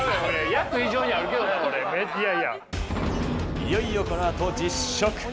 いよいよこのあと実食。